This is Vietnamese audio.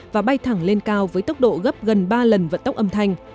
và bay thẳng lên cao với tốc độ gấp gần ba lần vận tốc âm thanh